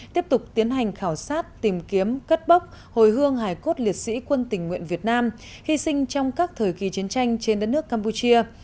tiếp tục tiến hành khảo sát tìm kiếm cất bốc hồi hương hài cốt liệt sĩ quân tình nguyện việt nam hy sinh trong các thời kỳ chiến tranh trên đất nước campuchia